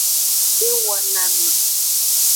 E wo na ame.